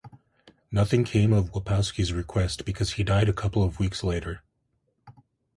Nothing came of Wapowski's request, because he died a couple of weeks later.